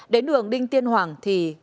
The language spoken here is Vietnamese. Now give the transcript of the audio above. đến đường đinh tiên hoàng thì